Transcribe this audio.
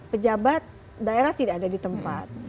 pejabat daerah tidak ada di tempat